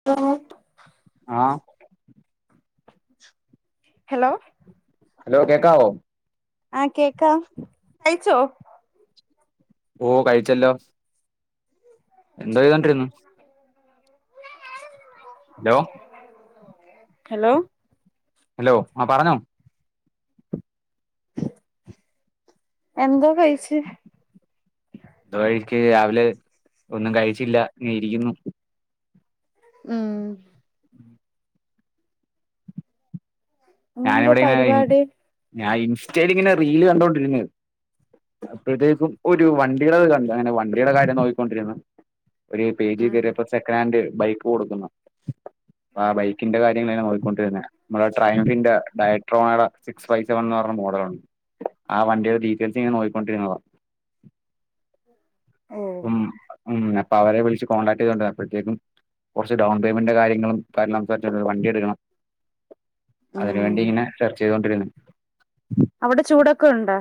[unintelligible] ആഹ് hello hello കേക്കാവോ ആഹ് കേക്കാം കഴിച്ചോ ഓഹ് കഴിച്ചല്ലോ എന്തോ ചെയ്തോണ്ട് ഇരുന്ന് ഹലോ ഹലോ ഹലോ ആ പറഞ്ഞോ എന്തൊ കഴിച്ച് തുവ [unintelligible] ഴിക്ക് രാവിലെ ഒന്നും കഴിച്ചില്ല ഇങ്ങെ ഇരിക്കുന്നു. ഉം ഉം [unintelligible] ഞാന് ഇന്നെന്താ ഇവിടെ ഇങ്ങനെ പരിപാടി ഞാൻ ഇൻസ്റ്റയില് ഇങ്ങനെ റീല് കണ്ടൊണ്ടിരുന്നെത് അപ്പഴ്ത്തേക്കും ഒരു വണ്ടീടെത് കണ്ടു. അങ്ങനെ വണ്ടീടെ കാര്യം നോക്കിക്കൊണ്ടിരുന്ന് ഒരു പേജിൽ ഉം കേറിയപ്പോ സെക്കനാന്റ് ബൈക്ക് കൊടുക്കുന്നു ആ ബൈക്കിന്റെ കാര്യങ്ങള് ങ്ങനെ നോക്കിക്കൊണ്ടിരുന്നെ. മ്മളെ ട്രയൻഫിന്റെ ഡയട്രോമേടെ സിക്സ് ഫൈറ്റ പറഞ്ഞ ഒരെണ്ണം മോഡലുണ്ട്. ആ വണ്ടീടെ ഡീറ്റെയിൽസ് ഇങ്ങനെ നോയിക്കൊണ്ടിരുന്നതാ ഓഹ് ഉം ഉം. അപ്പൊ അവരെ വിളിച്ച് കോടാക്ട് ചെയ്തോണ്ട അപ്പഴ് തേക്കും കൊർച്ച് ഡൗൺ പേയ്മെന്റിന്റെ കാര്യങ്ങളും കാരണം സംസാരിച്ച് ഒര് വണ്ടിട്ക്കണം അതിന് വേണ്ടി ഉം ഇങ്ങനെ ചർച്ച ചെയ്തൊണ്ടിരുന്ന് അവടെ ചൂടൊക്കെ ഉണ്ടോ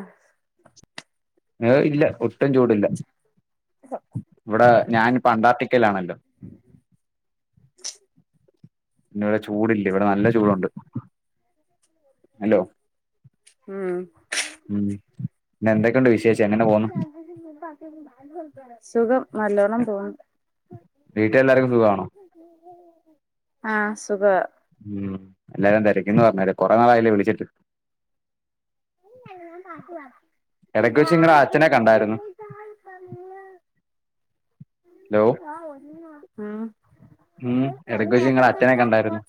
ഏഹ് ഇല്ല ഒട്ടും ചൂടില്ല. ഇവടെ ഞാനിപ്പ അന്റാർട്ടിക്കയിലാണല്ലോ പിന്ന ഇവടെ ചൂടില്ലേ ഇവടെ നല്ല ചൂടുണ്ട്. ഹലോ ഉം ഉം പിന്നെ എന്തൊക്കെയുണ്ട് വിശേഷം എങ്ങനെ പോന്നു സുഖം നല്ലോണ്ണം പോ വീട്ടിലെല്ലാർക്കും സുഖാണോ ആഹ് സുഖാ ഉം എല്ലാരേം തെരക്കീന്ന് പറഞ്ഞരെ കൊറെ നാളായില്ലേ വിളിച്ചിട്ട് [unintelligible] ഇടയ്ക്ക് വെച്ച് നിങ്ങടെ അച്ഛനെ കണ്ടായിരുന്നു [unintelligible] ഹലോ ഉം ഉം. എടക്ക് വെച്ച് നിങ്ങളെ അച്ഛനെക്കണ്ടായിരുന്നു